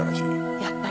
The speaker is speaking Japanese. やっぱり。